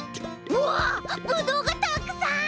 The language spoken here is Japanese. うわっブドウがたくさん！